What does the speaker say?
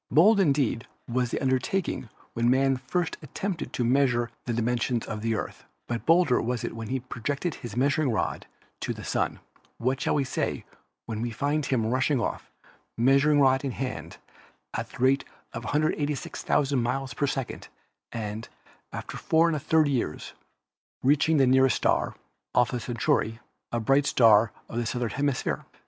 Bold indeed was the undertaking when man first attempted to measure the dimensions of the Earth, but bolder was it when he projected his measuring rod to the Sun. What shall we say when we find him rushing off, measuring rod in hand, at the rate of 186,000 miles a second, and, after 4% years, reaching the nearest star, Alpha Centauri, a bright star of the southern hemisphere?